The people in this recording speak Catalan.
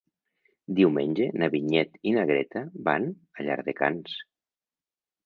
Diumenge na Vinyet i na Greta van a Llardecans.